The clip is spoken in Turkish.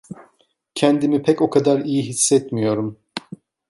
Kendimi pek o kadar iyi hissetmiyorum.